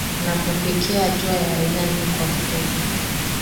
napofikia hatua ya aina hii kwa watoto